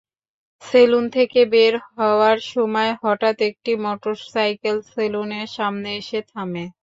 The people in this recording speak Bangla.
সেলুন থেকে বের হওয়ার সময় হঠাৎ একটি মোটরসাইকেল সেলুনের সামনে এসে থামে।